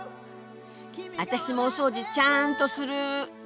私もお掃除ちゃんとする！